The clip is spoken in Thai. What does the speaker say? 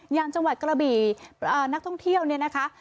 อย่างจังหวัดกระบี่นักท่องเที่ยวเนี่ยนะคะ